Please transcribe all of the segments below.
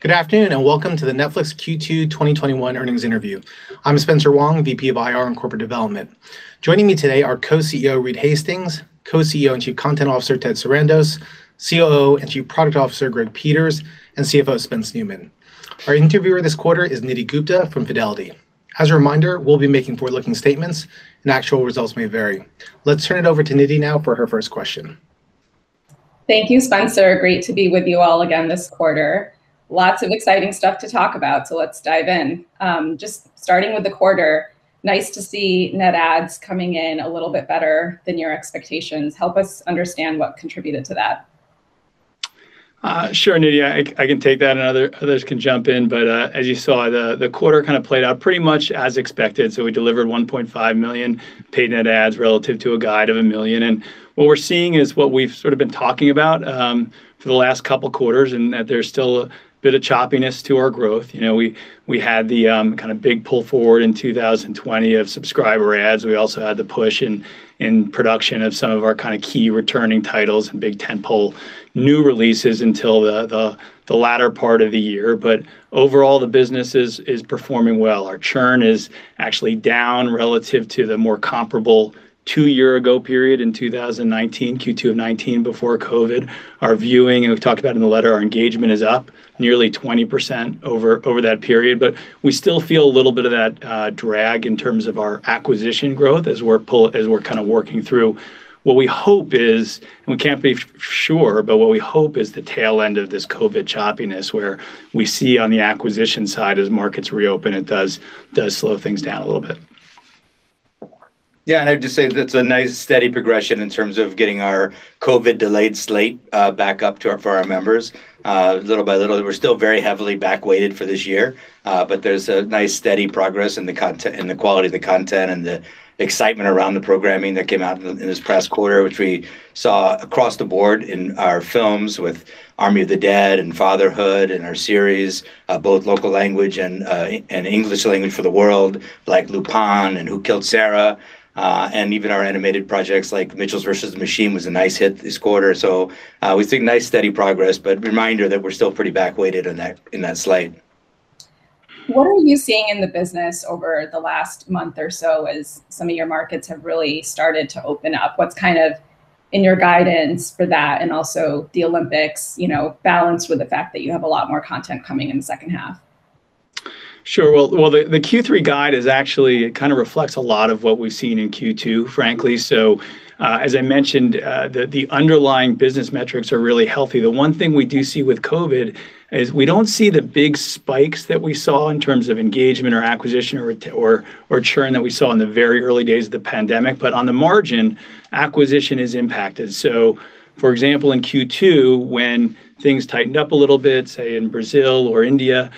Good afternoon, and welcome to the Netflix Q2 2021 earnings interview. I'm Spencer Wang, VP of IR and Corporate Development. Joining me today are Co-CEO Reed Hastings, Co-CEO and Chief Content Officer Ted Sarandos, COO and Chief Product Officer Greg Peters, and CFO Spencer Neumann. Our interviewer this quarter is Nidhi Gupta from Fidelity. As a reminder, we'll be making forward-looking statements, and actual results may vary. Let's turn it over to Nidhi now for her first question. Thank you, Spencer. Great to be with you all again this quarter. Lots of exciting stuff to talk about. Let's dive in. Just starting with the quarter, nice to see net adds coming in a little bit better than your expectations. Help us understand what contributed to that. Sure, Nidhi. I can take that, others can jump in. As you saw, the quarter kind of played out pretty much as expected, we delivered 1.5 million paid net adds relative to a guide of 1 million. What we're seeing is what we've sort of been talking about for the last couple of quarters in that there's still a bit of choppiness to our growth. We had the kind of big pull forward in 2020 of subscriber adds. We also had the push in production of some of our kind of key returning titles and big tentpole new releases until the latter part of the year. Overall, the business is performing well. Our churn is actually down relative to the more comparable 2-year ago period in 2019, Q2 of 2019, before COVID. Our viewing, and we've talked about it in the letter, our engagement is up nearly 20% over that period. We still feel a little bit of that drag in terms of our acquisition growth as we're kind of working through. We can't be sure, but what we hope is the tail end of this COVID choppiness, where we see on the acquisition side, as markets reopen, it does slow things down a little bit. Yeah, I'd just say that's a nice steady progression in terms of getting our COVID delayed slate back up for our members little by little. We're still very heavily back weighted for this year, but there's a nice steady progress in the quality of the content and the excitement around the programming that came out in this past quarter, which we saw across the board in our films with "Army of the Dead" and "Fatherhood," and our series, both local language and English language for the world, like "Lupin" and "Who Killed Sara?" Even our animated projects like "The Mitchells vs. the Machines" was a nice hit this quarter. We've seen nice steady progress, but reminder that we're still pretty back weighted in that slate. What are you seeing in the business over the last month or so as some of your markets have really started to open up? What's kind of in your guidance for that, and also the Olympics, balanced with the fact that you have a lot more content coming in the second half? Sure. Well, the Q3 guide actually kind of reflects a lot of what we've seen in Q2, frankly. As I mentioned, the underlying business metrics are really healthy. The one thing we do see with COVID is we don't see the big spikes that we saw in terms of engagement or acquisition or churn that we saw in the very early days of the pandemic. On the margin, acquisition is impacted. For example, in Q2, when things tightened up a little bit, say in Brazil or India,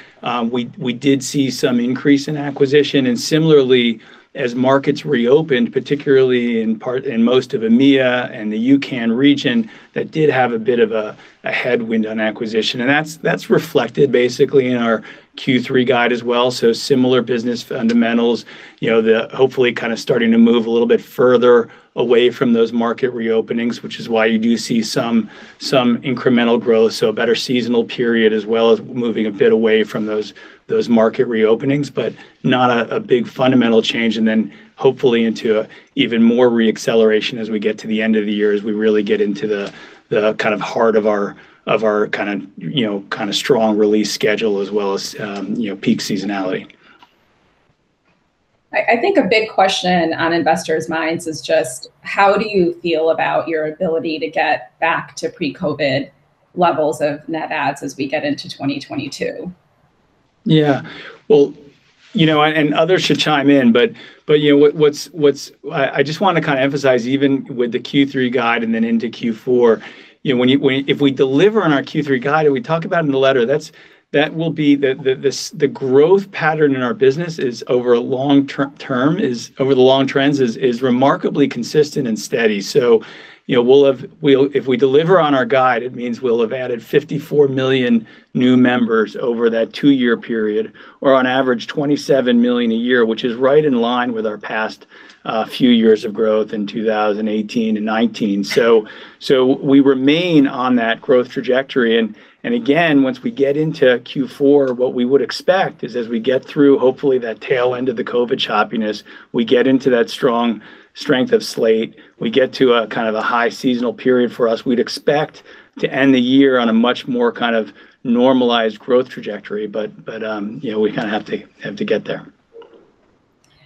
we did see some increase in acquisition. Similarly, as markets reopened, particularly in most of EMEA and the UK and region, that did have a bit of a headwind on acquisition. That's reflected basically in our Q3 guide as well, similar business fundamentals. Hopefully kind of starting to move a little bit further away from those market reopenings, which is why you do see some incremental growth, so a better seasonal period as well as moving a bit away from those market reopenings, but not a big fundamental change. Hopefully into even more re-acceleration as we get to the end of the year, as we really get into the kind of heart of our kind of strong release schedule as well as peak seasonality. I think a big question on investors' minds is just how do you feel about your ability to get back to pre-COVID levels of net adds as we get into 2022? Well, and others should chime in, but I just want to kind of emphasize, even with the Q3 guide and then into Q4, if we deliver on our Q3 guide, and we talk about it in the letter, the growth pattern in our business over the long trends is remarkably consistent and steady. If we deliver on our guide, it means we'll have added 54 million new members over that 2-year period, or on average, 27 million a year, which is right in line with our past few years of growth in 2018 and 2019. We remain on that growth trajectory, and again, once we get into Q4, what we would expect is as we get through, hopefully, that tail end of the COVID choppiness, we get into that strong strength of slate. We get to a kind of a high seasonal period for us. We'd expect to end the year on a much more kind of normalized growth trajectory, but we kind of have to get there.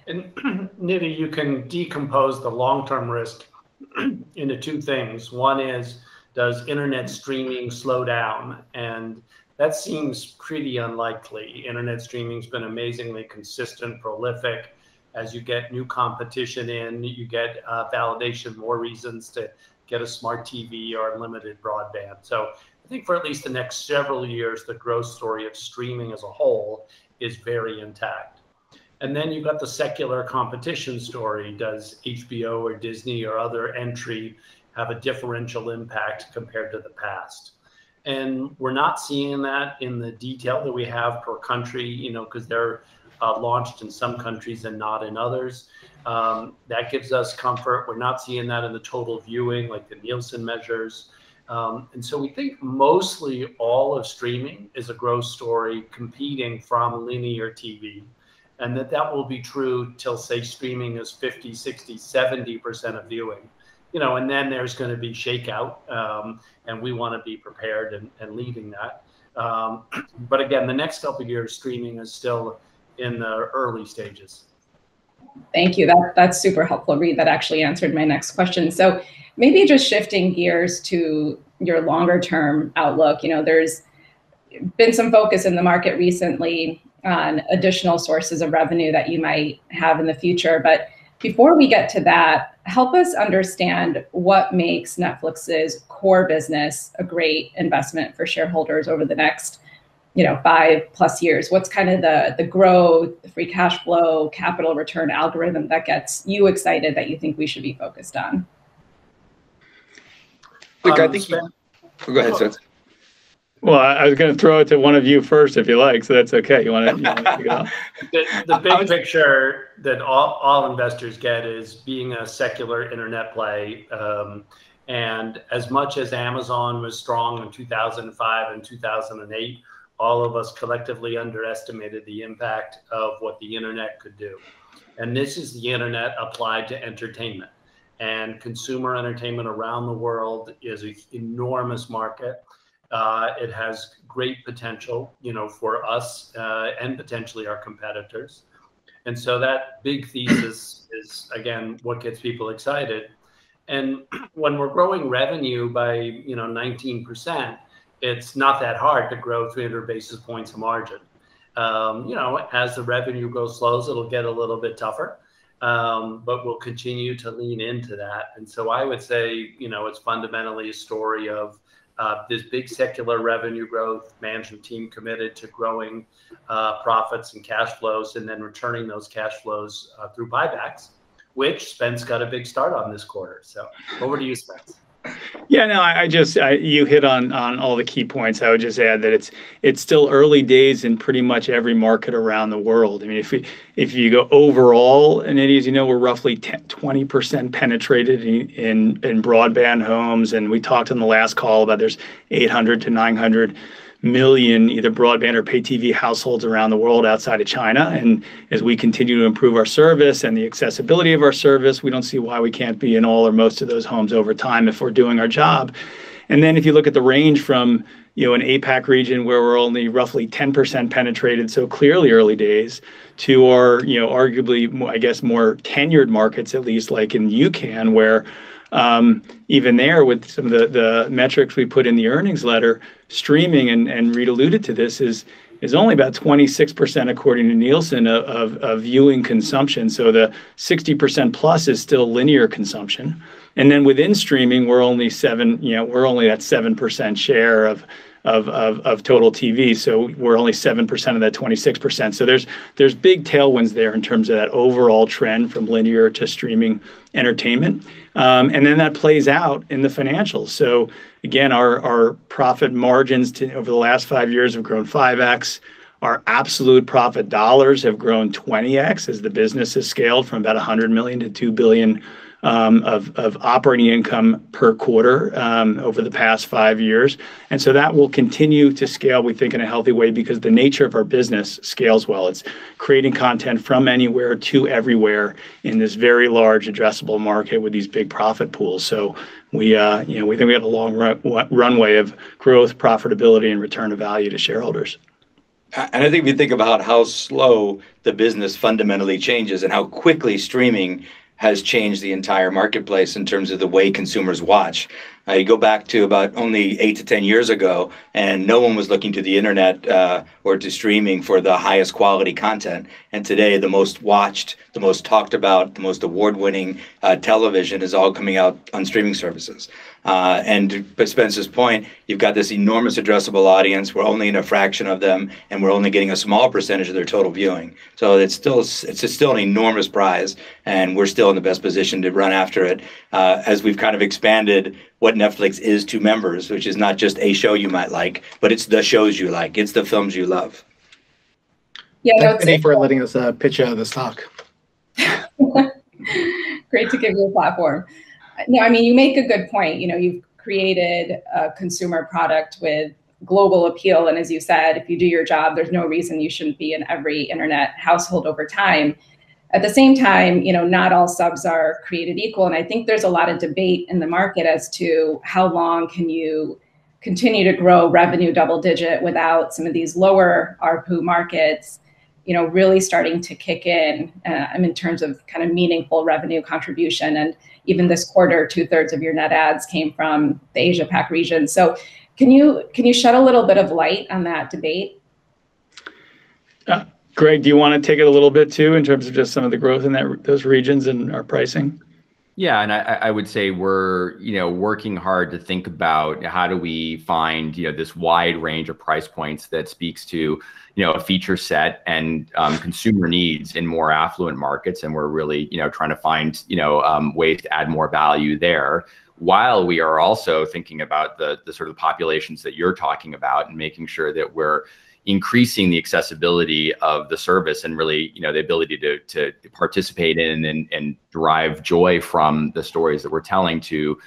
Nidhi, you can decompose the long-term risk into two things. One is, does internet streaming slow down? That seems pretty unlikely. Internet streaming's been amazingly consistent, prolific. As you get new competition in, you get validation, more reasons to get a smart TV or unlimited broadband. I think for at least the next several years, the growth story of streaming as a whole is very intact. And then you got the secular competition story. Does HBO or Disney or other entry have a differential impact compared to the past? We're not seeing that in the detail that we have per country, because they're launched in some countries and not in others. That gives us comfort. We're not seeing that in the total viewing, like the Nielsen measures. We think mostly all of streaming is a growth story competing from linear TV, and that that will be true till, say, streaming is 50%, 60%, 70% of viewing. There's going to be shakeout, and we want to be prepared in leading that. Again, the next two years, streaming is still in the early stages. Thank you. That's super helpful, Reed. That actually answered my next question. Maybe just shifting gears to your longer-term outlook. There's been some focus in the market recently on additional sources of revenue that you might have in the future. Before we get to that, help us understand what makes Netflix's core business a great investment for shareholders over the next 5-plus years. What's kind of the growth, the free cash flow, capital return algorithm that gets you excited that you think we should be focused on? Greg, I think. I think- Go ahead, Spence. Well, I was going to throw it to one of you first, if you like, so that's okay. You want to go? The big picture that all investors get is being a secular internet play. As much as Amazon was strong in 2005 and 2008, all of us collectively underestimated the impact of what the internet could do. This is the internet applied to entertainment, and consumer entertainment around the world is an enormous market. It has great potential for us, and potentially our competitors. That big thesis is, again, what gets people excited. When we're growing revenue by 19%, it's not that hard to grow 300 basis points margin. As the revenue growth slows, it'll get a little bit tougher, but we'll continue to lean into that. I would say, it's fundamentally a story of this big secular revenue growth, management team committed to growing profits and cash flows, and then returning those cash flows through buybacks, which Spence got a big start on this quarter. Over to you, Spence. Yeah, no, you hit on all the key points. I would just add that it's still early days in pretty much every market around the world. If you go overall, as you know, we're roughly 20% penetrated in broadband homes, and we talked on the last call that there's 800-900 million either broadband or pay TV households around the world outside of China. As we continue to improve our service and the accessibility of our service, we don't see why we can't be in all or most of those homes over time if we're doing our job. If you look at the range from an APAC region where we're only roughly 10% penetrated, clearly early days, to our arguably, I guess, more tenured markets, at least like in UK and where even there with some of the metrics we put in the earnings letter, streaming, and Reed alluded to this, is only about 26%, according to Nielsen, of viewing consumption. The 60%-plus is still linear consumption. Within streaming, we're only at 7% share of total TV. We're only 7% of that 26%. There's big tailwinds there in terms of that overall trend from linear to streaming entertainment. That plays out in the financials. Again, our profit margins over the last five years have grown 5x. Our absolute profit dollars have grown 20x as the business has scaled from about $100 million to $2 billion of operating income per quarter over the past five years. That will continue to scale, we think, in a healthy way because the nature of our business scales well. It's creating content from anywhere to everywhere in this very large addressable market with these big profit pools. We think we have a long runway of growth, profitability, and return of value to shareholders. I think if you think about how slow the business fundamentally changes and how quickly streaming has changed the entire marketplace in terms of the way consumers watch. You go back to about only eight to 10 years ago, and no one was looking to the internet or to streaming for the highest quality content. Today, the most watched, the most talked about, the most award-winning television is all coming out on streaming services. To Spence's point, you've got this enormous addressable audience. We're only in a fraction of them, and we're only getting a small percentage of their total viewing. It's still an enormous prize, and we're still in the best position to run after it as we've kind of expanded what Netflix is to members, which is not just a show you might like, but it's the shows you like. It's the films you love. Yeah, that's- Thanks for letting us pitch our stock. Great to give you a platform. No, you make a good point. You've created a consumer product with global appeal, and as you said, if you do your job, there's no reason you shouldn't be in every internet household over time. At the same time, not all subs are created equal, and I think there's a lot of debate in the market as to how long can you continue to grow revenue double-digit without some of these lower ARPU markets really starting to kick in terms of kind of meaningful revenue contribution. Even this quarter, 2/3 of your net adds came from the Asia Pac region. Can you shed a little bit of light on that debate? Greg, do you want to take it a little bit, too, in terms of just some of the growth in those regions and our pricing? Yeah, I would say we're working hard to think about how do we find this wide range of price points that speaks to a feature set and consumer needs in more affluent markets, and we're really trying to find ways to add more value there, while we are also thinking about the sort of populations that you're talking about, and making sure that we're increasing the accessibility of the service and really the ability to participate in and derive joy from the stories that we're telling to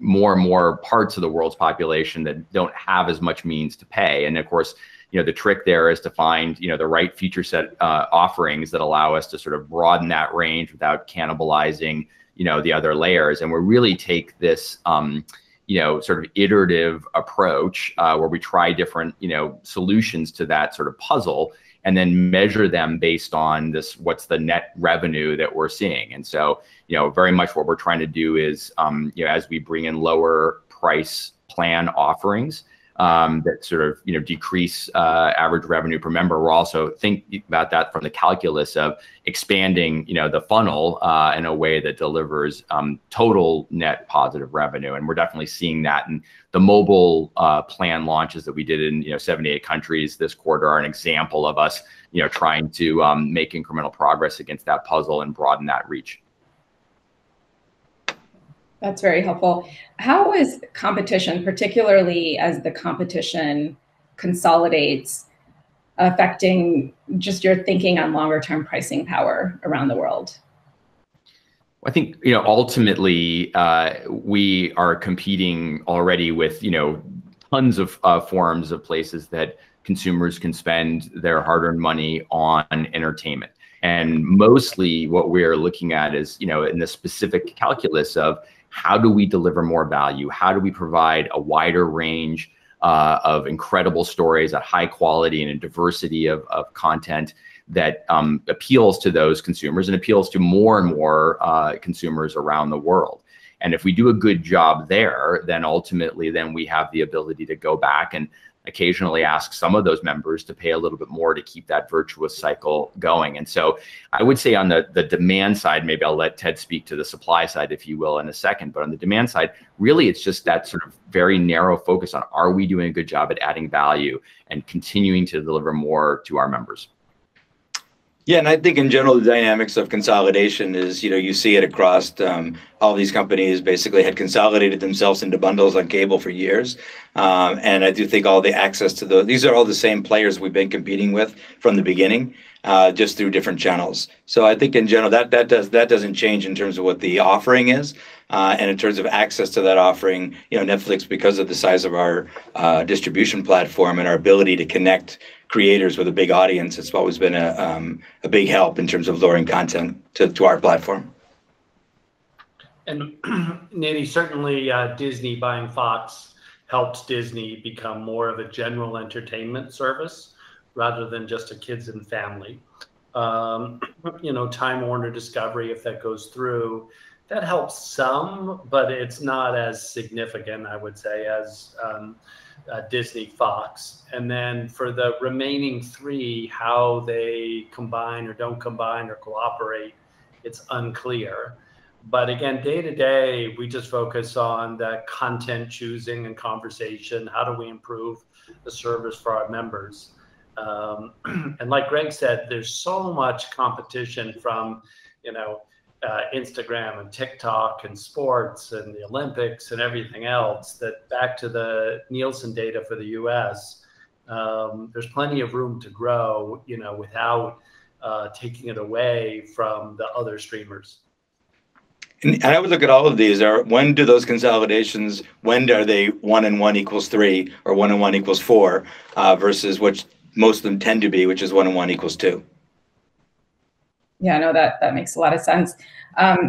more and more parts of the world's population that don't have as much means to pay. Of course, the trick there is to find the right feature set offerings that allow us to sort of broaden that range without cannibalizing the other layers. We really take this sort of iterative approach where we try different solutions to that sort of puzzle and then measure them based on what's the net revenue that we're seeing. Very much what we're trying to do is, as we bring in lower price plan offerings that sort of decrease average revenue per member, we're also thinking about that from the calculus of expanding the funnel in a way that delivers total net positive revenue, and we're definitely seeing that. The mobile plan launches that we did in 78 countries this quarter are an example of us trying to make incremental progress against that puzzle and broaden that reach. That's very helpful. How is competition, particularly as the competition consolidates, affecting just your thinking on longer-term pricing power around the world? I think ultimately, we are competing already with tons of forms of places that consumers can spend their hard-earned money on entertainment. Mostly what we are looking at is in the specific calculus of how do we deliver more value? How do we provide a wider range of incredible stories at high quality and in diversity of content that appeals to those consumers and appeals to more and more consumers around the world? If we do a good job there, then ultimately, then we have the ability to go back and occasionally ask some of those members to pay a little bit more to keep that virtuous cycle going. I would say on the demand side, maybe I will let Ted speak to the supply side, if you will, in a second, but on the demand side, really it is just that sort of very narrow focus on are we doing a good job at adding value and continuing to deliver more to our members? I think in general, the dynamics of consolidation is you see it across all these companies basically had consolidated themselves into bundles on cable for years. I do think all the access to. These are all the same players we've been competing with from the beginning, just through different channels. I think in general, that doesn't change in terms of what the offering is, and in terms of access to that offering. Netflix, because of the size of our distribution platform and our ability to connect creators with a big audience, it's always been a big help in terms of luring content to our platform. Nidhi, certainly, Disney buying Fox helps Disney become more of a general entertainment service rather than just a kids and family. WarnerMedia Discovery, if that goes through, that helps some, but it's not as significant, I would say, as Disney-Fox. Then for the remaining three, how they combine or don't combine or cooperate, it's unclear. Again, day to day, we just focus on the content choosing and conversation, how do we improve the service for our members? Like Greg said, there's so much competition from Instagram and TikTok and sports and the Olympics and everything else, that back to the Nielsen data for the US, there's plenty of room to grow without taking it away from the other streamers. How we look at all of these are when do those consolidations, when are they one and one equals three or one and one equals four, versus what most of them tend to be, which is one and one equals two. Yeah, no, that makes a lot of sense.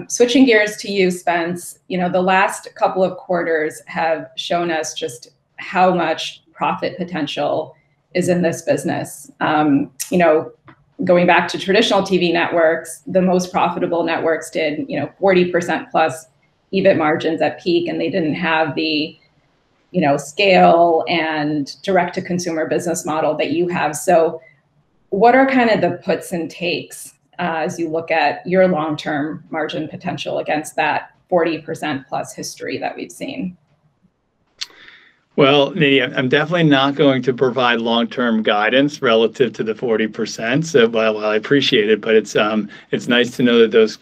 Switching gears to you, Spence. The last couple of quarters have shown us just how much profit potential is in this business. Going back to traditional TV networks, the most profitable networks did 40%+ EBIT margins at peak, and they didn't have the scale and direct-to-consumer business model that you have. What are kind of the puts and takes as you look at your long-term margin potential against that 40%+ history that we've seen? Well, Nidhi, I'm definitely not going to provide long-term guidance relative to the 40%, so while I appreciate it, but it's nice to know that those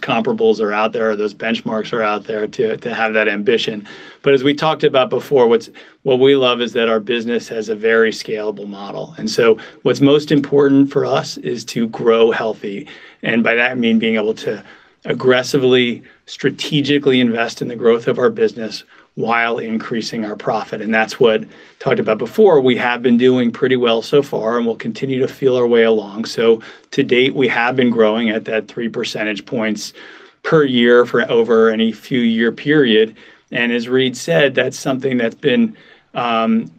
comparables are out there or those benchmarks are out there to have that ambition. As we talked about before, what we love is that our business has a very scalable model. What's most important for us is to grow healthy, and by that I mean being able to aggressively, strategically invest in the growth of our business while increasing our profit. That's what I talked about before. We have been doing pretty well so far, and we'll continue to feel our way along. To date, we have been growing at that three percentage points per year for over any few-year period, and as Reed said, that's something that's been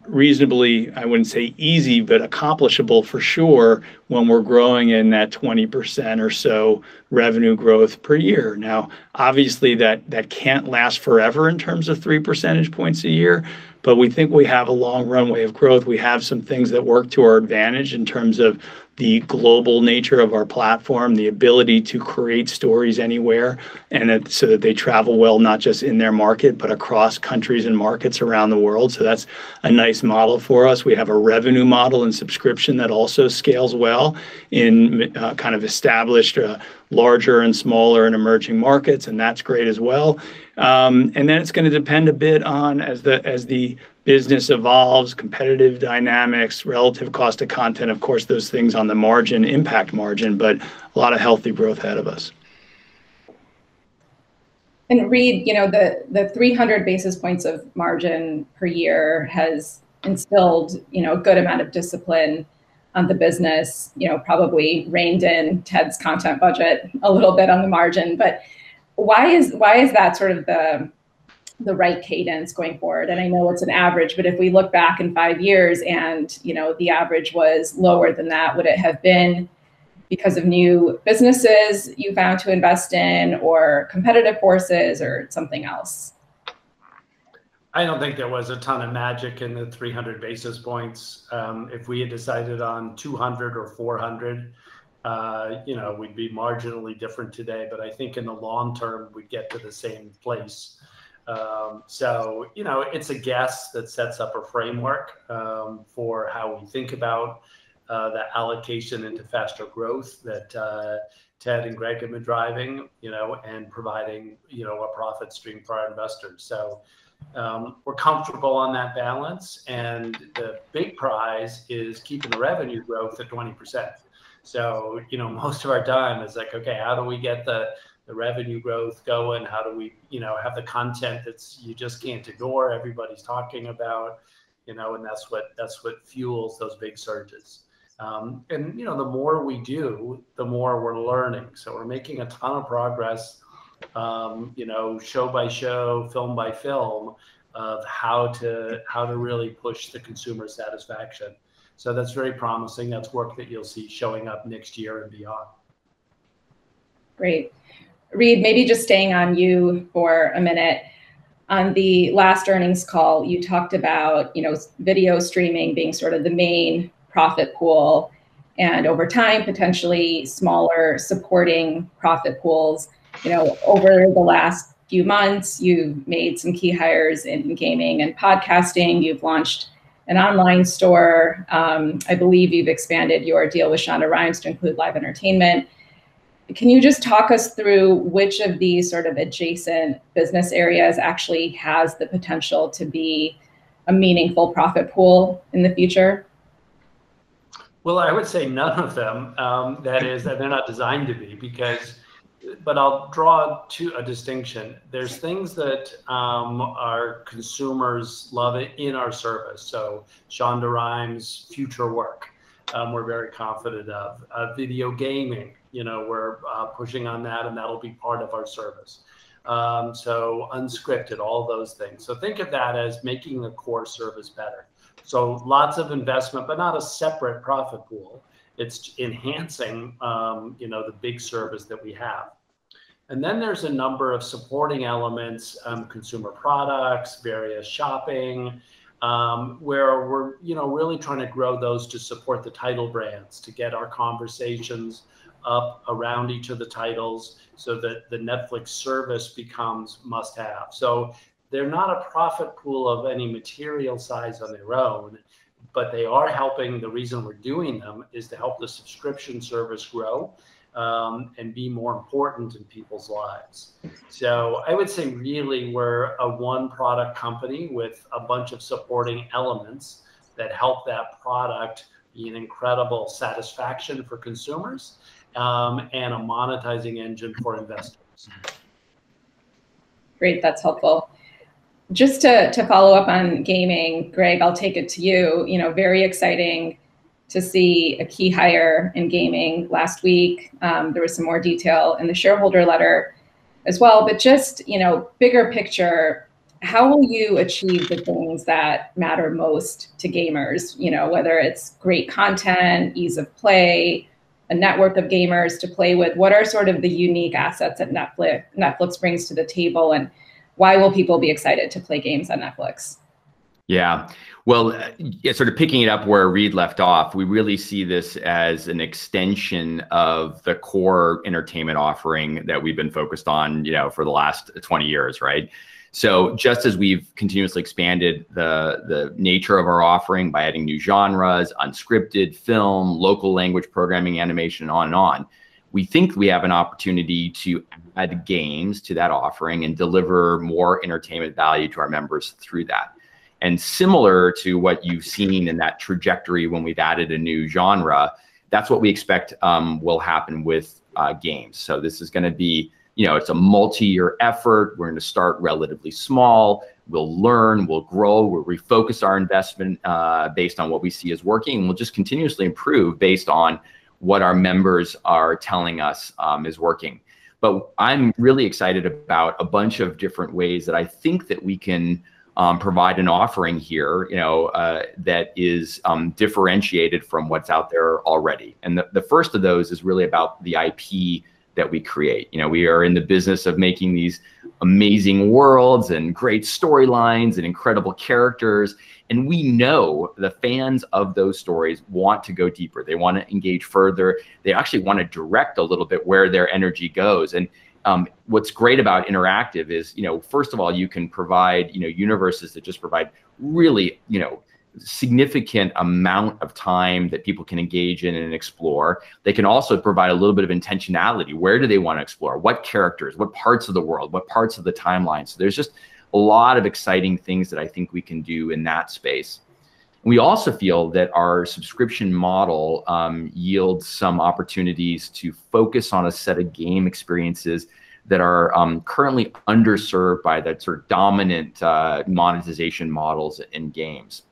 reasonably, I wouldn't say easy, but accomplishable for sure when we're growing in that 20% or so revenue growth per year. Obviously that can't last forever in terms of three percentage points a year, but we think we have a long runway of growth. We have some things that work to our advantage in terms of the global nature of our platform, the ability to create stories anywhere, that they travel well, not just in their market, but across countries and markets around the world. That's a nice model for us. We have a revenue model and subscription that also scales well in kind of established larger and smaller and emerging markets, and that's great as well. It's going to depend a bit on, as the business evolves, competitive dynamics, relative cost of content, of course, those things on the margin impact margin, but a lot of healthy growth ahead of us. Reed, the 300 basis points of margin per year has instilled a good amount of discipline on the business, probably reined in Ted's content budget a little bit on the margin. Why is that sort of the right cadence going forward? I know it's an average, but if we look back in five years and the average was lower than that, would it have been because of new businesses you found to invest in or competitive forces or something else? I don't think there was a ton of magic in the 300 basis points. If we had decided on 200 or 400, we'd be marginally different today, but I think in the long term, we'd get to the same place. It's a guess that sets up a framework for how we think about that allocation into faster growth that Ted and Greg have been driving, and providing a profit stream for our investors. We're comfortable on that balance, and the big prize is keeping the revenue growth at 20%. Most of our time is like, Okay, how do we get the revenue growth going? How do we have the content that you just can't ignore, everybody's talking about. That's what fuels those big surges. The more we do, the more we're learning. We're making a ton of progress show by show, film by film, of how to really push the consumer satisfaction. That's very promising. That's work that you'll see showing up next year and beyond. Great. Reed, maybe just staying on you for a minute. On the last earnings call, you talked about video streaming being sort of the main profit pool, and over time, potentially smaller supporting profit pools. Over the last few months, you've made some key hires in gaming and podcasting. You've launched an online store. I believe you've expanded your deal with Shonda Rhimes to include live entertainment. Can you just talk us through which of these sort of adjacent business areas actually has the potential to be a meaningful profit pool in the future? I would say none of them. That is, they're not designed to be, but I'll draw to a distinction. There's things that our consumers love in our service. Shonda Rhimes' future work we're very confident of. Video gaming, we're pushing on that, and that'll be part of our service. Unscripted, all those things. Think of that as making the core service better. Lots of investment, but not a separate profit pool. It's enhancing the big service that we have. There's a number of supporting elements, consumer products, various shopping, where we're really trying to grow those to support the title brands, to get our conversations up around each of the titles so that the Netflix service becomes must-have. They're not a profit pool of any material size on their own, but they are helping. The reason we're doing them is to help the subscription service grow, and be more important in people's lives. I would say really we're a one-product company with a bunch of supporting elements that help that product be an incredible satisfaction for consumers, and a monetizing engine for investors. Great. That's helpful. Just to follow up on gaming, Greg, I'll take it to you. Very exciting to see a key hire in gaming last week. There was some more detail in the shareholder letter as well. Just bigger picture, how will you achieve the things that matter most to gamers? Whether it's great content, ease of play, a network of gamers to play with. What are sort of the unique assets that Netflix brings to the table? Why will people be excited to play games on Netflix? Well, sort of picking it up where Reed left off, we really see this as an extension of the core entertainment offering that we've been focused on for the last 20 years, right? Just as we've continuously expanded the nature of our offering by adding new genres, unscripted film, local language programming, animation, and on and on, we think we have an opportunity to add games to that offering and deliver more entertainment value to our members through that. Similar to what you've seen in that trajectory when we've added a new genre, that's what we expect will happen with games. This is going to be a multi-year effort. We're going to start relatively small. We'll learn, we'll grow, we'll refocus our investment based on what we see as working, and we'll just continuously improve based on what our members are telling us is working. I'm really excited about a bunch of different ways that I think that we can provide an offering here that is differentiated from what's out there already. The first of those is really about the IP that we create. We are in the business of making these amazing worlds and great storylines and incredible characters, and we know the fans of those stories want to go deeper. They want to engage further. They actually want to direct a little bit where their energy goes. What's great about interactive is, first of all, you can provide universes that just provide really significant amount of time that people can engage in and explore. They can also provide a little bit of intentionality. Where do they want to explore? What characters? What parts of the world? What parts of the timeline? There's just a lot of exciting things that I think we can do in that space. We also feel that our subscription model yields some opportunities to focus on a set of game experiences that are currently underserved by that sort of dominant monetization models in games.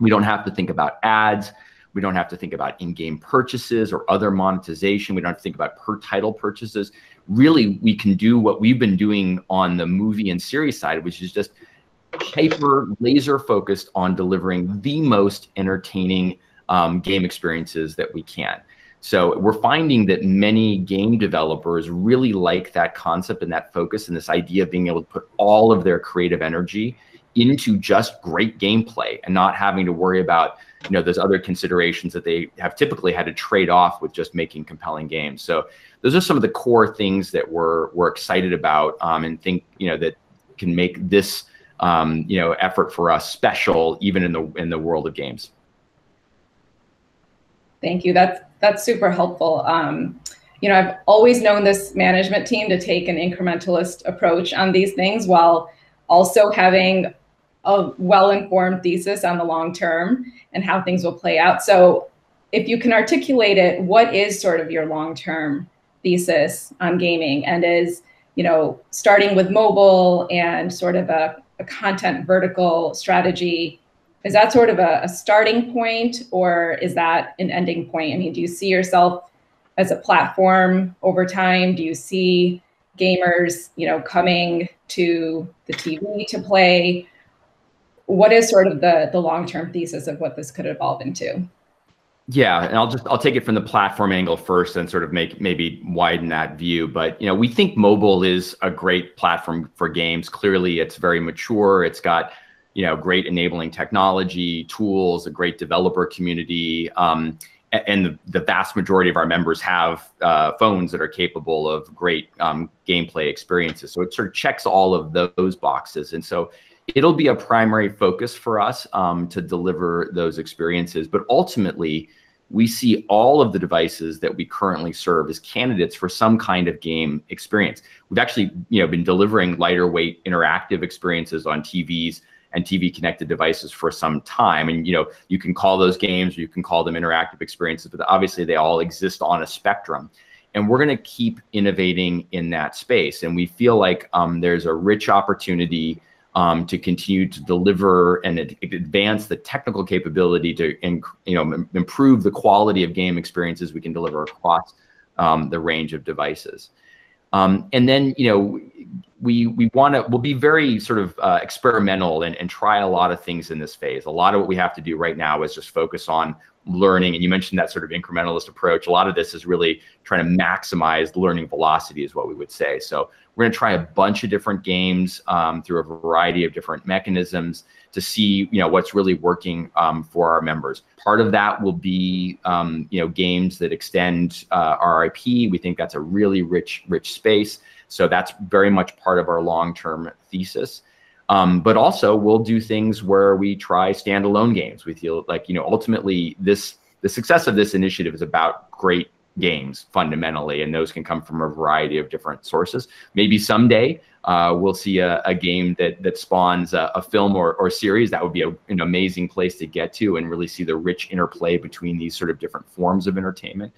We don't have to think about ads. We don't have to think about in-game purchases or other monetization. We don't have to think about per title purchases. Really, we can do what we've been doing on the movie and series side, which is just hyper laser-focused on delivering the most entertaining game experiences that we can. We're finding that many game developers really like that concept and that focus and this idea of being able to put all of their creative energy into just great gameplay and not having to worry about those other considerations that they have typically had to trade off with just making compelling games. Those are some of the core things that we're excited about, and think that can make this effort for us special even in the world of games. Thank you. That's super helpful. I've always known this management team to take an incrementalist approach on these things while also having a well-informed thesis on the long term and how things will play out. If you can articulate it, what is sort of your long-term thesis on gaming, and is starting with mobile and sort of a content vertical strategy, is that sort of a starting point or is that an ending point? I mean, do you see yourself as a platform over time? Do you see gamers coming to the TV to play? What is sort of the long-term thesis of what this could evolve into? I'll take it from the platform angle first and sort of maybe widen that view. We think mobile is a great platform for games. Clearly, it's very mature. It's got great enabling technology, tools, a great developer community. The vast majority of our members have phones that are capable of great gameplay experiences, so it sort of checks all of those boxes. So it'll be a primary focus for us to deliver those experiences. Ultimately, we see all of the devices that we currently serve as candidates for some kind of game experience. We've actually been delivering lighter-weight interactive experiences on TVs and TV-connected devices for some time, and you can call those games or you can call them interactive experiences, but obviously, they all exist on a spectrum, and we're going to keep innovating in that space. We feel like there's a rich opportunity to continue to deliver and advance the technical capability to improve the quality of game experiences we can deliver across the range of devices. Then we'll be very sort of experimental and try a lot of things in this phase. A lot of what we have to do right now is just focus on learning, and you mentioned that sort of incrementalist approach. A lot of this is really trying to maximize learning velocity, is what we would say. We're going to try a bunch of different games through a variety of different mechanisms to see what's really working for our members. Part of that will be games that extend our IP. We think that's a really rich space, so that's very much part of our long-term thesis. Also, we'll do things where we try standalone games. We feel like ultimately, the success of this initiative is about great games, fundamentally, and those can come from a variety of different sources. Maybe someday we'll see a game that spawns a film or a series. That would be an amazing place to get to and really see the rich interplay between these sort of different forms of entertainment.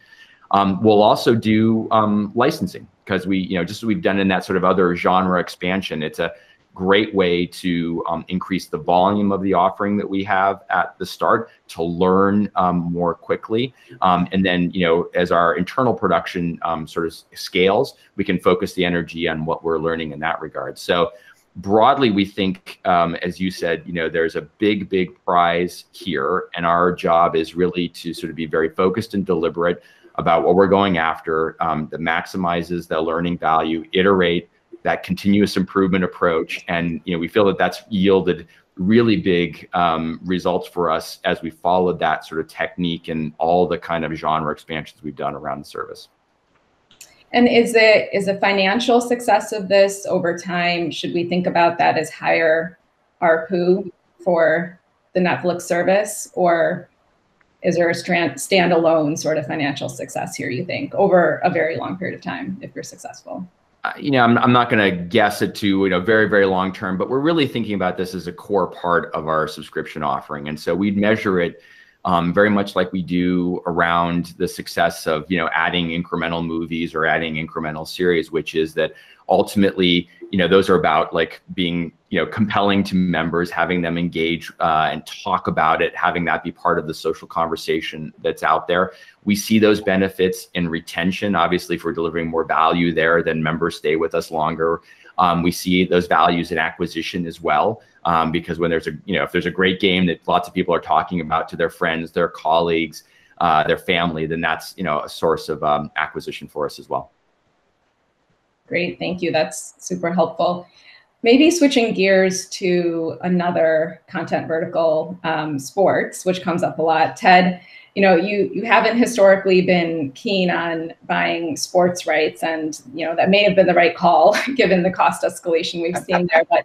We'll also do licensing because just as we've done in that sort of other genre expansion, it's a great way to increase the volume of the offering that we have at the start to learn more quickly. As our internal production sort of scales, we can focus the energy on what we're learning in that regard. Broadly, we think, as you said, there's a big prize here, and our job is really to sort of be very focused and deliberate about what we're going after that maximizes the learning value, iterate that continuous improvement approach. We feel that that's yielded really big results for us as we followed that sort of technique and all the kind of genre expansions we've done around the service. Is the financial success of this over time, should we think about that as higher ARPU for the Netflix service, or is there a standalone sort of financial success here, you think, over a very long period of time if you're successful? I'm not going to guess it to a very long term, but we're really thinking about this as a core part of our subscription offering. We'd measure it very much like we do around the success of adding incremental movies or adding incremental series, which is that ultimately, those are about being compelling to members, having them engage and talk about it, having that be part of the social conversation that's out there. We see those benefits in retention. Obviously, if we're delivering more value there, then members stay with us longer. We see those values in acquisition as well because if there's a great game that lots of people are talking about to their friends, their colleagues, their family, then that's a source of acquisition for us as well. Great. Thank you. That's super helpful. Maybe switching gears to another content vertical, sports, which comes up a lot. Ted, you haven't historically been keen on buying sports rights, and that may have been the right call given the cost escalation we've seen there.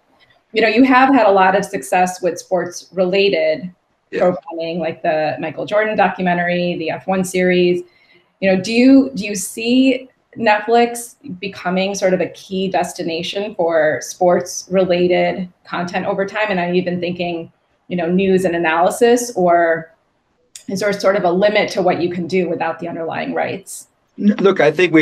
You have had a lot of success with sports-related- Yeah profiling, like the Michael Jordan documentary, the F1 series. Do you see Netflix becoming sort of a key destination for sports-related content over time? Are you even thinking news and analysis, or is there a sort of a limit to what you can do without the underlying rights? Look, I think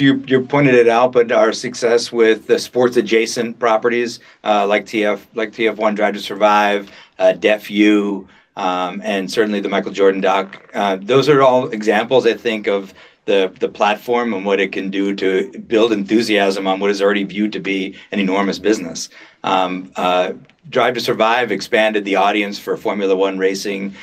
you pointed it out, but our success with the sports-adjacent properties like "F1: Drive to Survive," "Deaf U," and certainly the Michael Jordan doc, those are all examples, I think, of the platform and what it can do to build enthusiasm on what is already viewed to be an enormous business. "Drive to Survive" expanded the audience for F1 racing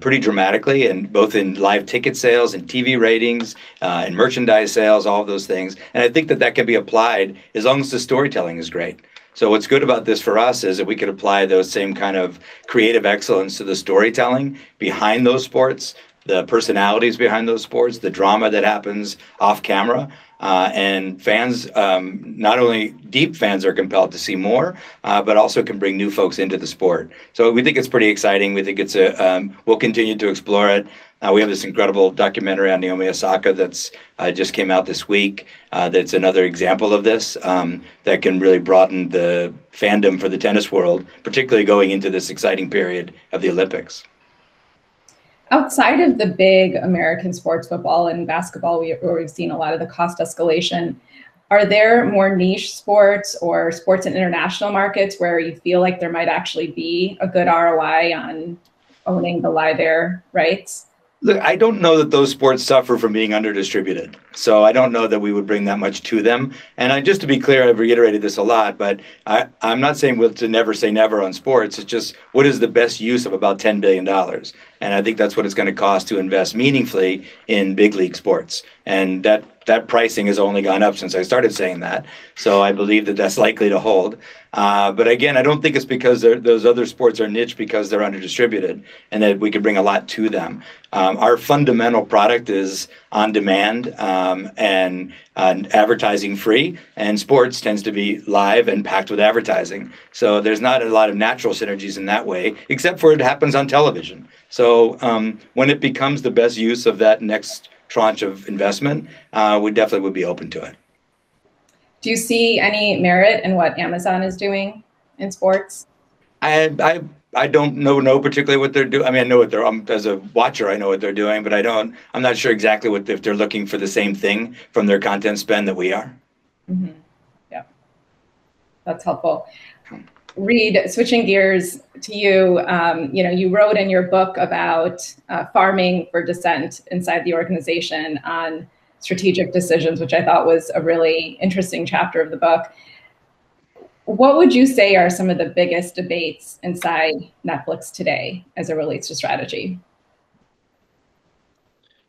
pretty dramatically, both in live ticket sales and TV ratings and merchandise sales, all of those things. I think that that can be applied as long as the storytelling is great. What's good about this for us is that we could apply those same kind of creative excellence to the storytelling behind those sports, the personalities behind those sports, the drama that happens off camera. Fans, not only deep fans are compelled to see more, but also can bring new folks into the sport. We think it's pretty exciting. We'll continue to explore it. We have this incredible documentary on Naomi Osaka that's just came out this week that's another example of this that can really broaden the fandom for the tennis world, particularly going into this exciting period of the Olympics. Outside of the big American sports, football and basketball, where we've seen a lot of the cost escalation, are there more niche sports or sports in international markets where you feel like there might actually be a good ROI on owning the live there rights? Look, I don't know that those sports suffer from being under-distributed. I don't know that we would bring that much to them. Just to be clear, I've reiterated this a lot, but I'm not saying to never say never on sports. It's just, what is the best use of about $10 billion? I think that's what it's going to cost to invest meaningfully in big-league sports, and that pricing has only gone up since I started saying that. I believe that that's likely to hold. Again, I don't think it's because those other sports are niche because they're under-distributed and that we could bring a lot to them. Our fundamental product is on-demand and advertising free, and sports tends to be live and packed with advertising. There's not a lot of natural synergies in that way, except for it happens on television. When it becomes the best use of that next tranche of investment, we definitely would be open to it. Do you see any merit in what Amazon is doing in sports? I don't know particularly what they're doing. As a watcher, I know what they're doing, but I'm not sure exactly if they're looking for the same thing from their content spend that we are. Mm-hmm. Yep. That's helpful. Reed, switching gears to you. You wrote in your book about farming for dissent inside the organization on strategic decisions, which I thought was a really interesting chapter of the book. What would you say are some of the biggest debates inside Netflix today as it relates to strategy?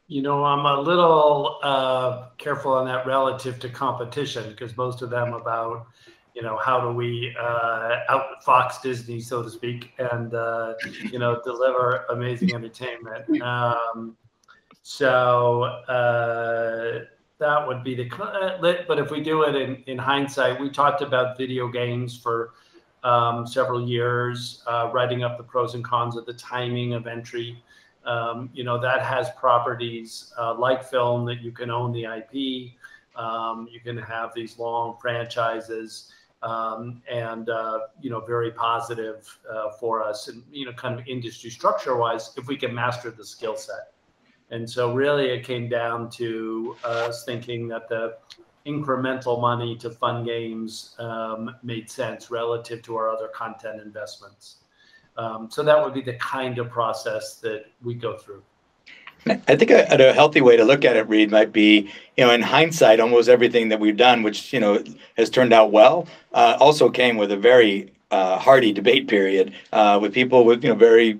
I'm a little careful on that relative to competition because most of them about how do we outfox Disney, so to speak, deliver amazing entertainment. That would be the gist. If we do it in hindsight, we talked about video games for several years, writing up the pros and cons of the timing of entry. That has properties like film that you can own the IP. You can have these long franchises, and very positive for us and kind of industry structure-wise, if we can master the skill set. Really it came down to us thinking that the incremental money to fund games made sense relative to our other content investments. That would be the kind of process that we go through. I think a healthy way to look at it, Reed, might be, in hindsight, almost everything that we've done, which has turned out well, also came with a very hearty debate period, with people with very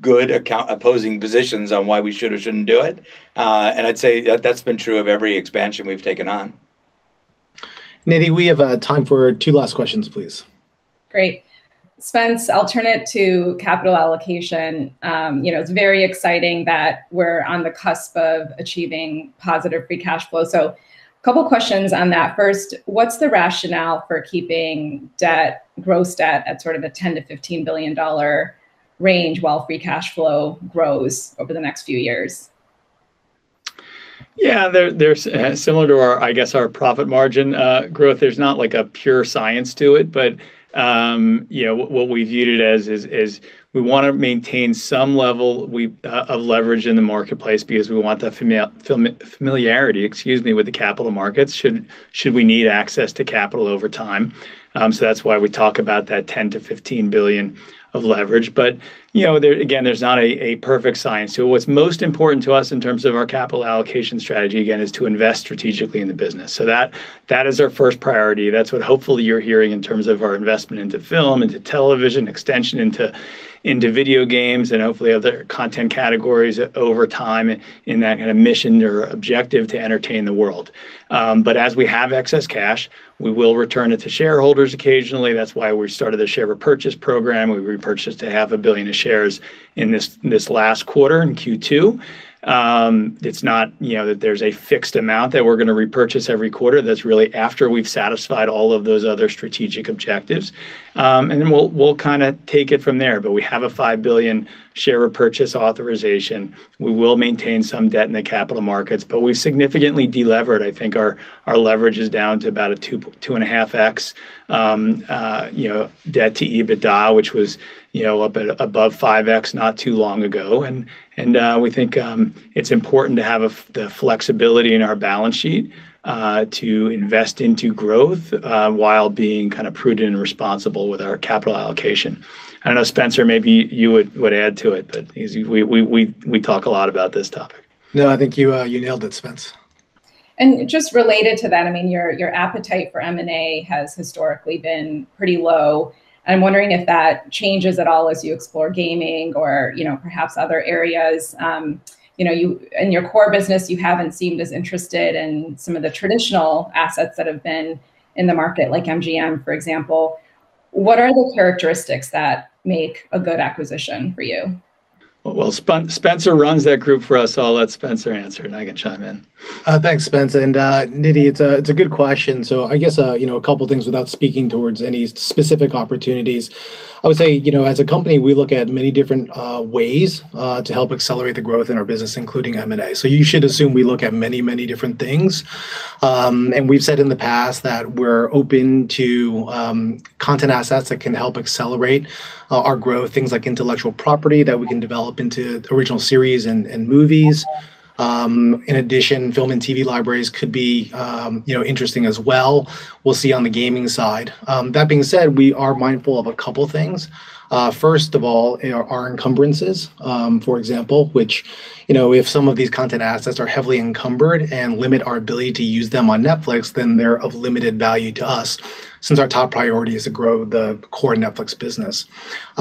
good opposing positions on why we should or shouldn't do it. I'd say that's been true of every expansion we've taken on. Nidhi, we have time for two last questions, please. Great. Spencer, I'll turn it to capital allocation. It's very exciting that we're on the cusp of achieving positive free cash flow. A couple of questions on that. First, what's the rationale for keeping gross debt at sort of a $10-15 billion range while free cash flow grows over the next few years? Yeah. Similar to our profit margin growth, there's not a pure science to it, but what we viewed it as is we want to maintain some level of leverage in the marketplace because we want the familiarity with the capital markets should we need access to capital over time. That's why we talk about that $10-15 billion of leverage. Again, there's not a perfect science to it. What's most important to us in terms of our capital allocation strategy, again, is to invest strategically in the business. That is our first priority. That's what hopefully you're hearing in terms of our investment into film, into television, extension into video games, and hopefully other content categories over time in that kind of mission or objective to entertain the world. As we have excess cash, we will return it to shareholders occasionally. That's why we started the share repurchase program. We repurchased a half a billion of shares in this last quarter in Q2. It's not that there's a fixed amount that we're going to repurchase every quarter. That's really after we've satisfied all of those other strategic objectives. Then we'll kind of take it from there. We have a $5 billion share repurchase authorization. We will maintain some debt in the capital markets, but we've significantly delevered. I think our leverage is down to about a 2.5x debt to EBITDA, which was up above 5x not too long ago. We think it's important to have the flexibility in our balance sheet to invest into growth while being kind of prudent and responsible with our capital allocation. I don't know, Spencer, maybe you would add to it, but we talk a lot about this topic. No, I think you nailed it, Spence. Just related to that, your appetite for M&A has historically been pretty low. I'm wondering if that changes at all as you explore gaming or perhaps other areas. In your core business, you haven't seemed as interested in some of the traditional assets that have been in the market, like MGM, for example. What are the characteristics that make a good acquisition for you? Well, Spencer runs that group for us, so I'll let Spencer answer and I can chime in. Thanks, Spencer. Nidhi, it's a good question. I guess a couple of things without speaking towards any specific opportunities. I would say as a company, we look at many different ways to help accelerate the growth in our business, including M&A. You should assume we look at many different things. We've said in the past that we're open to content assets that can help accelerate our growth, things like intellectual property that we can develop into original series and movies. In addition, film and TV libraries could be interesting as well. We'll see on the gaming side. That being said, we are mindful of a couple things. First of all, our encumbrances for example, which if some of these content assets are heavily encumbered and limit our ability to use them on Netflix, then they're of limited value to us since our top priority is to grow the core Netflix business.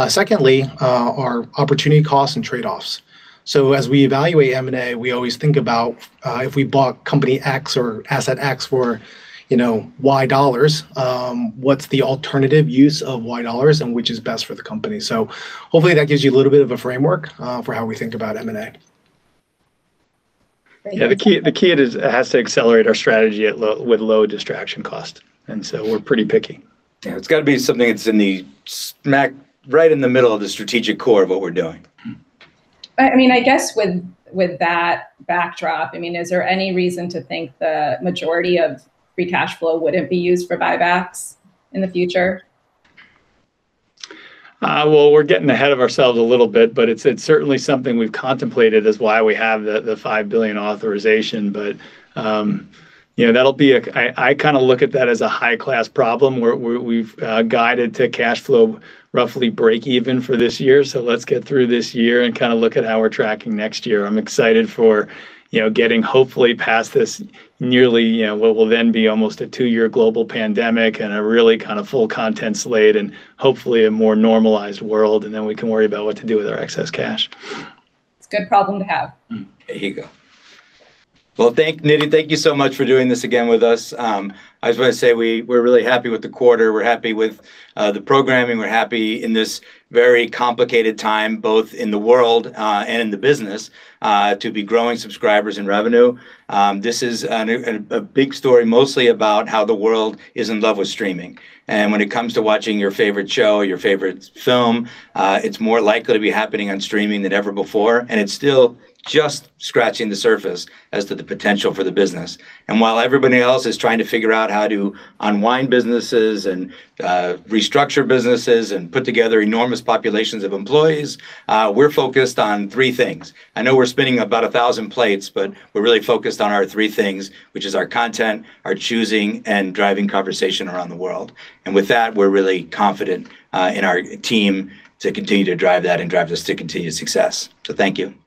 Secondly, our opportunity costs and trade-offs. As we evaluate M&A, we always think about if we bought company X or asset X for $Y, what's the alternative use of $Y and which is best for the company? Hopefully that gives you a little bit of a framework for how we think about M&A. Thank you. The key is it has to accelerate our strategy with low distraction cost. We're pretty picky. Yeah, it's got to be something that's right in the middle of the strategic core of what we're doing. I guess with that backdrop, is there any reason to think the majority of free cash flow wouldn't be used for buybacks in the future? Well, we're getting ahead of ourselves a little bit. It's certainly something we've contemplated is why we have the $5 billion authorization. I kind of look at that as a high-class problem where we've guided to cash flow roughly breakeven for this year. Let's get through this year and kind of look at how we're tracking next year. I'm excited for getting hopefully past this nearly what will then be almost a 2-year global pandemic and a really kind of full content slate and hopefully a more normalized world. Then we can worry about what to do with our excess cash. It's a good problem to have. There you go. Well, Nidhi, thank you so much for doing this again with us. I just want to say we're really happy with the quarter. We're happy with the programming. We're happy in this very complicated time, both in the world and in the business, to be growing subscribers and revenue. This is a big story, mostly about how the world is in love with streaming. When it comes to watching your favorite show, your favorite film, it's more likely to be happening on streaming than ever before, and it's still just scratching the surface as to the potential for the business. While everybody else is trying to figure out how to unwind businesses and restructure businesses and put together enormous populations of employees, we're focused on three things. I know we're spinning about 1,000 plates, but we're really focused on our three things, which is our content, our choosing, and driving conversation around the world. With that, we're really confident in our team to continue to drive that and drive us to continued success. Thank you.